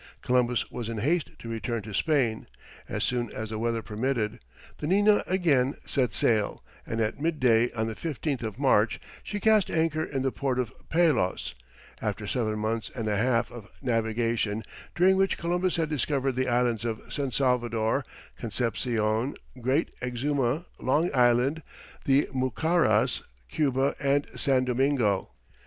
Columbus was in haste to return to Spain; as soon as the weather permitted, the Nina again set sail, and at mid day on the 15th of March, she cast anchor in the port of Palos, after seven months and a half of navigation, during which Columbus had discovered the islands of San Salvador, Conception, Great Exuma, Long Island, the Mucaras, Cuba, and San Domingo.